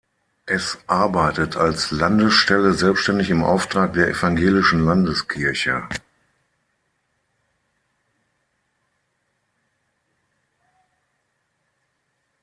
Es arbeitet als Landesstelle selbständig im Auftrag der Evangelischen Landeskirche.